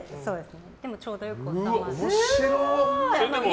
でも、ちょうどよく収まりました。